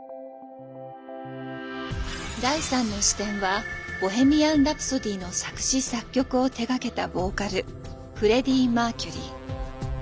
第３の視点は「ボヘミアン・ラプソディ」の作詞作曲を手がけたボーカルフレディ・マーキュリー。